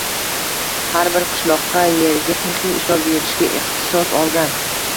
– har bir qishloqda yerga texnik ishlov berishga ixtisos olgan